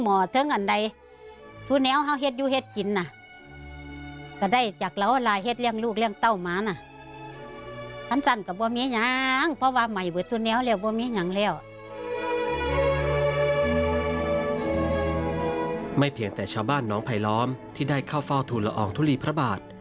ไม่เพียงแต่ชาวบ้านนองไภล้อมที่ได้เข้าฟ่าทุลรองทุรีพระบาท